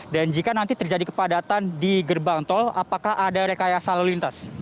dan jika nanti terjadi kepadatan di gerbang tol apakah ada rekayasa lalu lintas